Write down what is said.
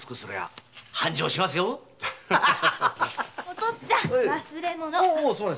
お父っつぁん忘れ物。